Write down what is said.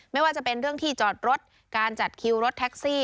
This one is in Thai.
ไม่ว่าจะเป็นเรื่องที่จอดรถการจัดคิวรถแท็กซี่